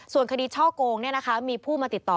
ส่วนคดีช่อโกงมีผู้มาติดต่อ